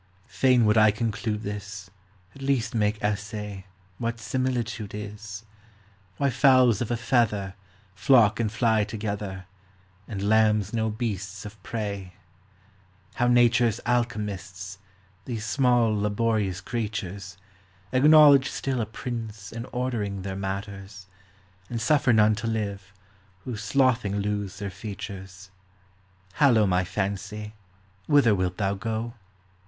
Fain would I conclude this, At least make essay, What similitude is ; AVhy fowls of a feather Flock and fly together, And lambs know beasts of prey : How Nature's alchymists, these small laborious creatures, Acknowledge still a prince in ordering their matters, And suffer none to live, who slothing lose their features. Hallo, my fancy, whither wilt thou go